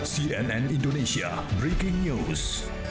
cnn indonesia breaking news